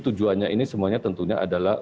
tujuannya ini semuanya tentunya adalah